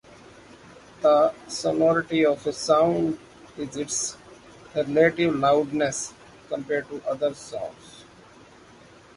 The sonority of a sound is its relative loudness compared to other sounds.